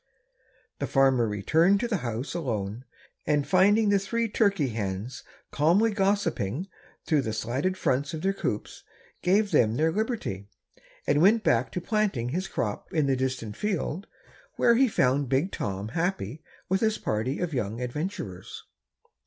The farmer returned to the house alone and finding the three turkey hens calmly gossiping through the slatted fronts of their coops, gave them their liberty, and went back to planting his crop in the distant field, where he found Big Tom happy with his party of young adventurers.